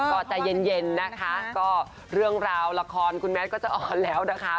ก็ใจเย็นนะคะก็เรื่องราวละครคุณแมทก็จะอ่อนแล้วนะคะ